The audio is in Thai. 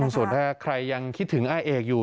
ส่วนถ้าใครยังคิดถึงอาเอกอยู่